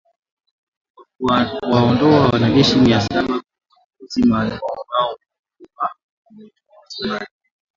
wa kuwaondoa wanajeshi mia saba wa kikosi maalum ambao walikuwa wametumwa Somalia